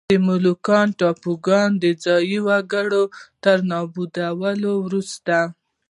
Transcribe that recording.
د مولوکان ټاپوګان د ځايي وګړو تر نابودولو وروسته.